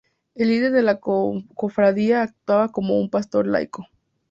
El líder de la cofradía actuaba como un pastor laico.